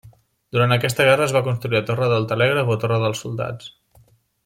Durant aquesta guerra es va construir la torre del telègraf o Torre dels Soldats.